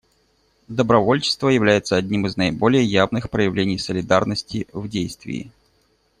Добровольчество является одним из наиболее явных проявлений солидарности в действии.